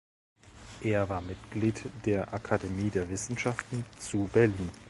Er war Mitglied der Akademie der Wissenschaften zu Berlin.